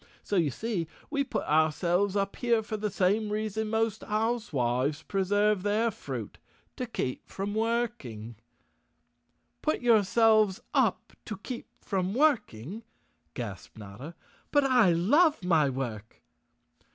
So you see, we put ourselves up here for the same reason most housewives preserve their fruit—to keep from work¬ ing." "Put yourselves up to keep from working," gasped Notta. "But I love my work!"